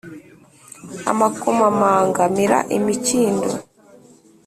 amakomamanga, mira, imikindo,